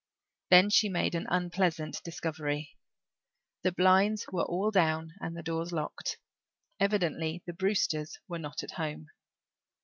Then she made an unpleasant discovery. The blinds were all down and the doors locked. Evidently the Brewsters were not at home.